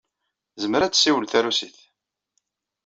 Tezmer ad tessiwel tarusit.